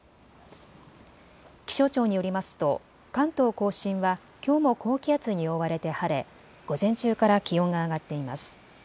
気象庁によりますと関東甲信はきょうも高気圧に覆われて晴れ午前中から気温が上がっています。